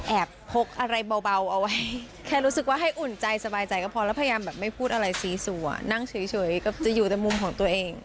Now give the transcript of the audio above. พกอะไรเบาเอาไว้แค่รู้สึกว่าให้อุ่นใจสบายใจก็พอแล้วพยายามแบบไม่พูดอะไรซีสัวนั่งเฉยก็จะอยู่แต่มุมของตัวเอง